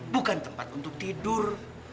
bukan tempat untuk tidur